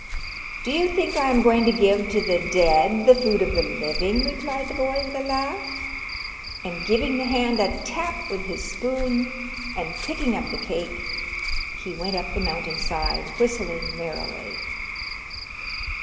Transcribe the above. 'Do you think I am going to give to the dead the food of the living?' replied the boy, with a laugh. And giving the hand a tap with his spoon, and picking up the cake, he went up the mountain side, whistling merrily.